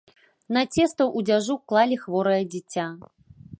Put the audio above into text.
На цеста ў дзяжу клалі хворае дзіця.